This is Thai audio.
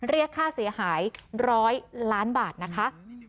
เรียกค่าเสียหาย๑๐๐ล้านบาทนะคะ